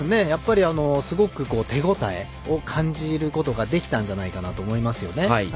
すごく手応え感じることができたんじゃないかなと思いますね。